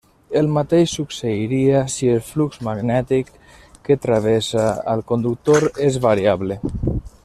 El mateix succeiria si el flux magnètic que travessa al conductor és variable.